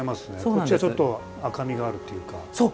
こっちがちょっと赤みがあるっていうか。